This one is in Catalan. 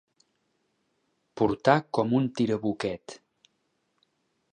Portar com un tirabuquet.